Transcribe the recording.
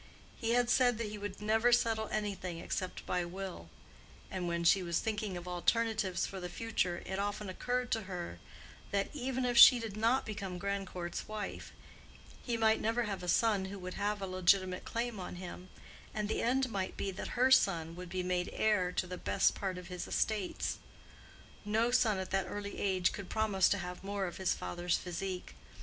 He had said that he would never settle anything except by will; and when she was thinking of alternatives for the future it often occurred to her that, even if she did not become Grandcourt's wife, he might never have a son who would have a legitimate claim on him, and the end might be that her son would be made heir to the best part of his estates. No son at that early age could promise to have more of his father's physique.